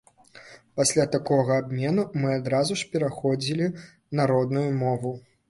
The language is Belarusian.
Пасля такога абмену мы адразу ж пераходзілі на родную мову.